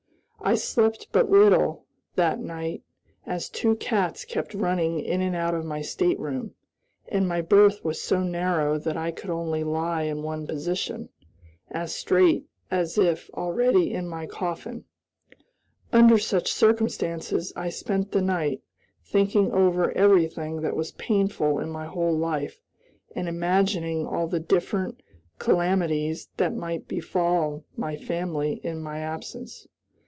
I slept but little, that night, as two cats kept running in and out of my stateroom, and my berth was so narrow that I could only lie in one position as straight as if already in my coffin. Under such circumstances I spent the night, thinking over everything that was painful in my whole life, and imagining all the different calamities that might befall my family in my absence.